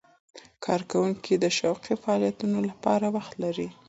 کارکوونکي د شوقي فعالیتونو لپاره وخت لري.